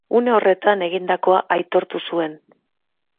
Une horretan, egindakoa aitortu zuen.